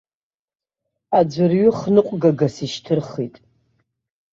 Аӡәырҩы хныҟәгагас ишьҭырхит.